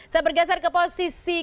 saya bergeser ke posisi